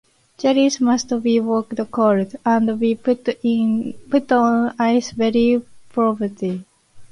Jellies must be worked cold, and be put on ice very promptly.